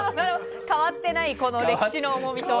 変わってない歴史の重みだと。